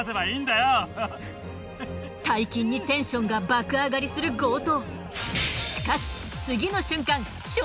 大金にテンションが爆上がりする強盗。